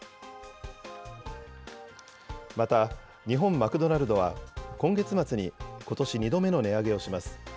また日本マクドナルドは、今月末にことし２度目の値上げをします。